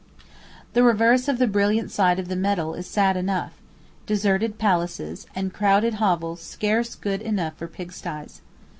The reverse of the brilliant side of the medal is sad enough: deserted palaces, and crowded hovels scarce good enough for pigstyes.